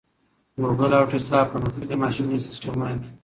ګوګل او ټیسلا پرمختللي ماشیني سیسټمونه دي.